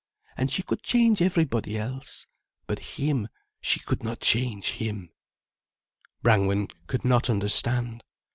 And she could change everybody else, but him, she could not change him——" Brangwen could not understand.